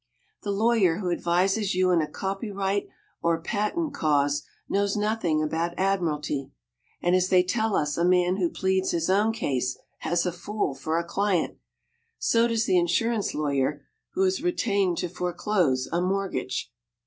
The lawyer who advises you in a copyright or patent cause knows nothing about admiralty; and as they tell us a man who pleads his own case has a fool for a client, so does the insurance lawyer who is retained to foreclose a mortgage.